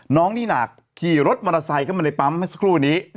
น้องนี่หนักขี่รถมอเตอร์ไซค์เข้ามาในปั๊มเมื่อสักครู่นี้